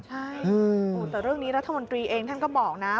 ใช่แต่เรื่องนี้รัฐมนตรีเองท่านก็บอกนะ